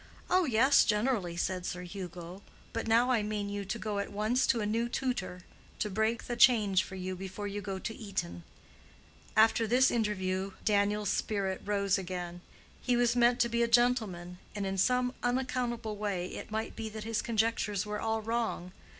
"Oh yes, generally," said Sir Hugo. "But now I mean you to go at once to a new tutor, to break the change for you before you go to Eton." After this interview Daniel's spirit rose again. He was meant to be a gentleman, and in some unaccountable way it might be that his conjectures were all wrong.